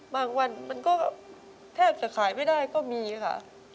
บางวันมันก็แทบจะขายไม่ได้ก็มีค่ะ